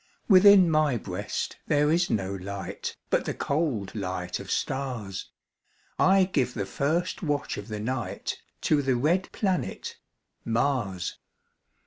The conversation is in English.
Within my breast there is no light, But the cold light of stars; I give the first watch of the night To the red planet Mars.